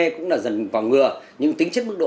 cũng là dần vào ngừa nhưng tính chất mức độ